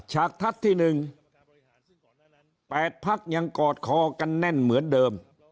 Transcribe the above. ฉกทัศน์ที่๑๘พักยังกอดคอกันแน่นเหมือนเดิม